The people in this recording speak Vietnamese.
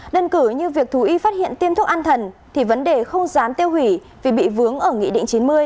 đơn cử như việc thú y phát hiện tiêm thuốc an thần thì vấn đề không dám tiêu hủy vì bị vướng ở nghị định chín mươi